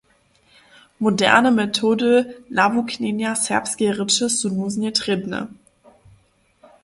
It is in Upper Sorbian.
Moderne metody nawuknjenja serbskeje rěče su nuznje trěbne.